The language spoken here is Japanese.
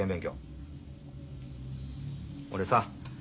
俺さ